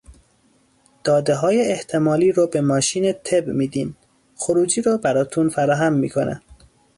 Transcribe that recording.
دادههای احتمالی رو به ماشین طِب میدین، خروجی رو براتون فراهم میکنه